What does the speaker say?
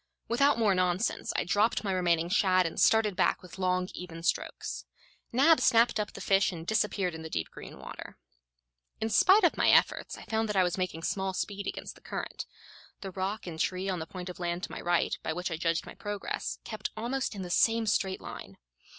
Without more nonsense, I dropped my remaining shad and started back with long, even strokes. Nab snapped up the fish and disappeared in the deep green water. In spite of my efforts, I found that I was making small speed against the current. The rock and tree on the point of land to my right, by which I judged my progress, kept almost in the same straight line.